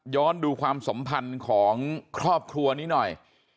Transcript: ดูความสัมพันธ์ของครอบครัวนี้หน่อย